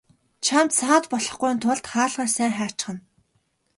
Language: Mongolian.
Чамд саад болохгүйн тулд хаалгаа сайн хаачихна.